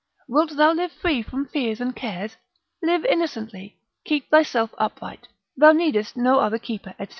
Wilt thou live free from fears and cares? Live innocently, keep thyself upright, thou needest no other keeper, &c.